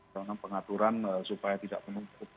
dengan pengaturan supaya tidak penumpuk di